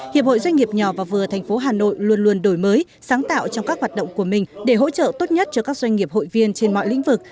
hiệp hội doanh nghiệp nhỏ và vừa tp hà nội luôn luôn đổi mới sáng tạo trong các hoạt động của mình để hỗ trợ tốt nhất cho các doanh nghiệp hội viên trên mọi lĩnh vực